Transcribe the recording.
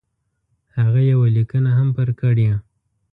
هغه یوه لیکنه هم پر کړې.